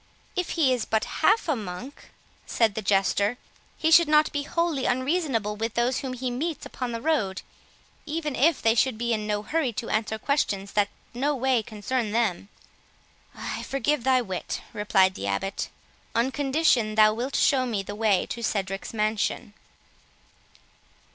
"If he is but half a monk," said the Jester, "he should not be wholly unreasonable with those whom he meets upon the road, even if they should be in no hurry to answer questions that no way concern them." "I forgive thy wit," replied the Abbot, "on condition thou wilt show me the way to Cedric's mansion."